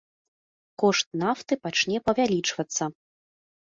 Кошт нафты пачне павялічвацца.